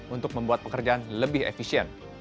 untuk membuat pekerjaan lebih efisien